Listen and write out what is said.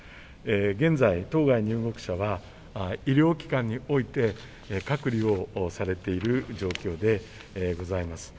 現在、当該入国者は医療機関において隔離をされている状況でございます。